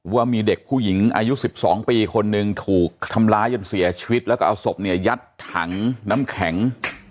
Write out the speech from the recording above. ว่ามีเด็กผู้หญิงอายุ๑๒ปีคนหนึ่งถูกทำร้ายจนเสียชีวิตแล้วก็เอาศพเนี่ยยัดถังน้ำแข็ง